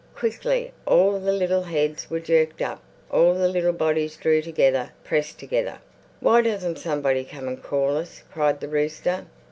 Quickly all the little heads were jerked up; all the little bodies drew together, pressed together. "Why doesn't somebody come and call us?" cried the rooster.